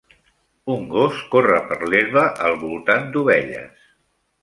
Un gos corre per l'herba al voltant d'ovelles.